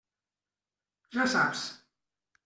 Ja saps.